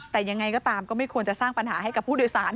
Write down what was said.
แต่ยังไงก็ตามก็ไม่ควรจะสร้างปัญหาให้กับผู้โดยสาร